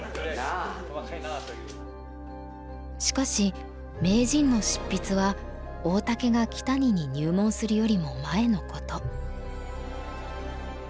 しかし「名人」の執筆は大竹が木谷に入門するよりも前のこと。